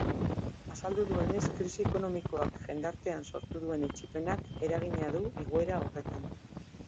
Azaldu duenez, krisi ekonomikoak jendartean sortu duen etsipenak eragina du igoera horretan.